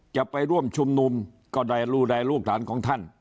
จะไปร่วมชุมนุมก็ได้ดูแลลูกหลานของท่าน